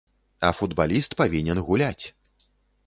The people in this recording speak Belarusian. А футбаліст павінен гуляць.